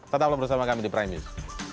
tetaplah bersama kami di prime news